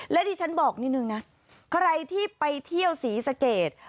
และดิฉันบอกนิดนึงนะใครที่ไปเที่ยวศรีสะเกด